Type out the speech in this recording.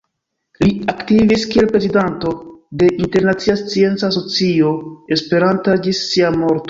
Li aktivis kiel prezidanto de Internacia Scienca Asocio Esperanta ĝis sia morto.